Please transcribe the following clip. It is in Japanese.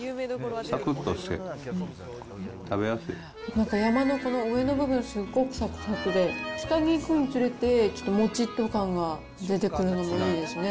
なんか山のこの上の部分、すごくさくさくで、下にいくにつれてちょっともちっと感が出てくるのがいいですね。